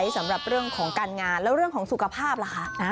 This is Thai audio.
สำหรับเรื่องของการงานแล้วเรื่องของสุขภาพล่ะคะ